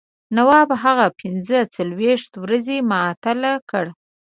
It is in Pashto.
نواب هغه پنځه څلوېښت ورځې معطل کړ.